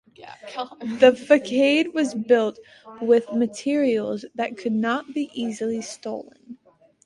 The facade was built with materials that could not be easily stolen.